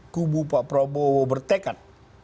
kubu pak prabowo bertekad